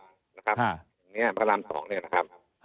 อย่างนี้พระราม๒เนี่ยนะครับ